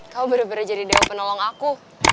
kamu bener bener jadi dewa penolong aku